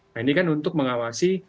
nah ini kan untuk mengawasi